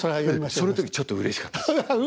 その時ちょっとうれしかったです。